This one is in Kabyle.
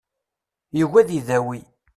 Yugi ad idawi.